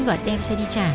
và đem xe đi trả